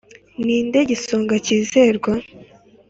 Ni nde gisonga cyizerwa‽